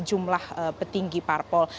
sejumlah petinggi parpol